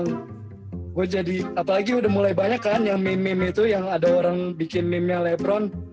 gue jadi apalagi udah mulai banyak kan yang meme meme itu yang ada orang bikin meme nya lepron